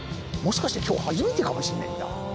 もしかして今日初めてかもしんねえんだ。